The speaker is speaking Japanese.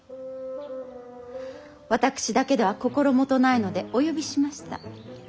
私だけでは心もとないのでお呼びしました。